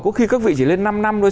có khi các vị chỉ lên năm năm thôi